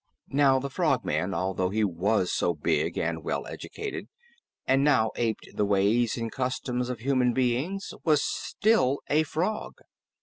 Now the Frogman, although he was so big and well educated and now aped the ways and customs of human beings, was still a frog.